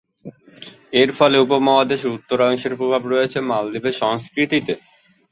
এর ফলে উপমহাদেশের উত্তরাংশের প্রভাব রয়েছে মালদ্বীপের সংস্কৃতিতে।